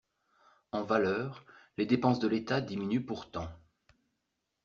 En valeur, les dépenses de l’État diminuent pourtant.